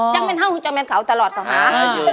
จ้างเป็นเหาะจ้างเป็นเขาตลอดเกลาหา